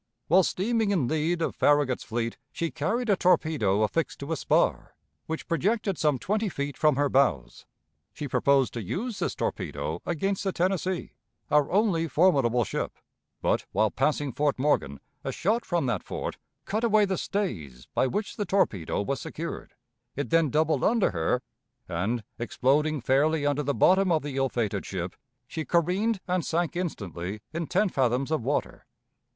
While steaming in lead of Farragut's fleet she carried a torpedo affixed to a spar, which projected some twenty feet from her bows; she proposed to use this torpedo against the Tennessee, our only formidable ship; but, while passing Fort Morgan, a shot from that fort cut away the stays by which the torpedo was secured; it then doubled under her, and, exploding fairly under the bottom of the ill fated ship, she careened and sank instantly in ten fathoms of water.